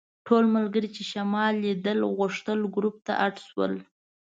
ټول ملګري چې شمال لیدل غوښتل ګروپ ته اډ شول.